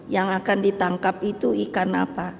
yang akan ditangkap itu ikan apa